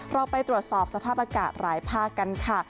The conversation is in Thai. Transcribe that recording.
เราไปตรวจสอบสภาพอากาศหลายภาคกันค่ะ